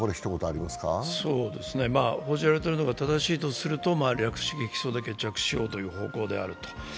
報じられていることが正しいとすると略式起訴で決着しようという方向であると。